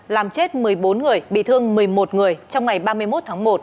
làm chết một mươi bốn người bị thương một mươi một người trong ngày ba mươi một tháng một